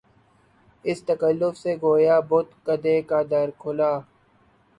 اس تکلف سے کہ گویا بت کدے کا در کھلا